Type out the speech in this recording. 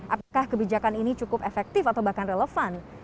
apakah kebijakan ini cukup efektif atau bahkan relevan